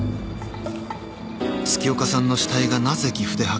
［月岡さんの死体がなぜ岐阜で発見されたのか？